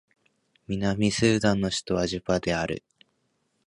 南スーダンの首都はジュバである